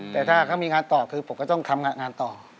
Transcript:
แต่ถ้าเขามีงานต่อคือผมก็ต้องทำงานต่อ